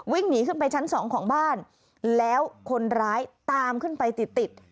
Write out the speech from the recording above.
วิ่งหนีขึ้นไปชั้นสองของบ้านแล้วคนร้ายตามขึ้นไปติดติด